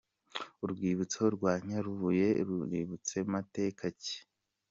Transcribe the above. Urwibutso rwa Nyarubuye rubitse mateka ki?.